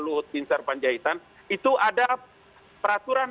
lut dinsar panjaitan itu ada peraturan